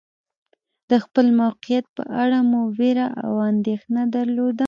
د خپل موقعیت په اړه مو وېره او اندېښنه درلوده.